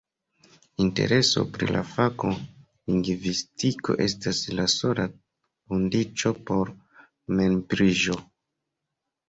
Intereso pri la fako lingvistiko estas la sola kondiĉo por membriĝo.